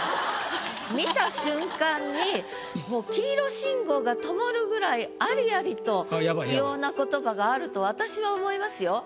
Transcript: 見た瞬間にもう黄色信号がともるぐらいありありと不要な言葉があると私は思いますよ。